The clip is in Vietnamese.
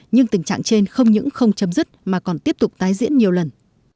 nhưng tình trạng trên không những không chấm dứt mà còn tiếp tục tái diễn nhiều lần